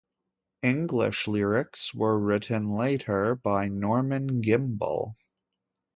English lyrics were written later by Norman Gimbel.